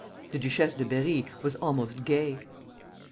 The Duchesse de Berri was almost gay.